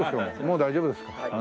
もう大丈夫ですか。